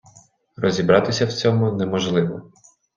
Розібратися в цьому неможливо.